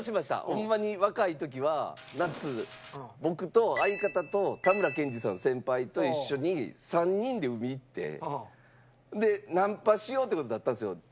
ホンマに若い時は夏僕と相方とたむらけんじさん先輩と一緒に３人で海行ってナンパしようって事になったんですよ